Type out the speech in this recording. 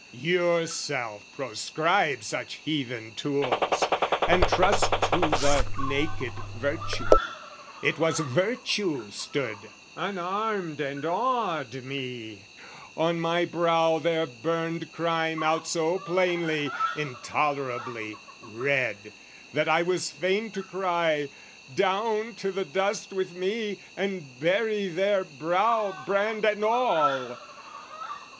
Yourself proscribe such heathen tools, and trust To the naked virtue: it was virtue stood Unarmed and awed me, on my brow there burned Crime out so plainly, intolerably, red, That I was fain to cry "Down to the dust "With me, and bury there brow, brand and all!"